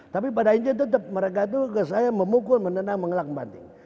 tapi pada intinya tetap mereka itu ke saya memukul menenang mengelak membanding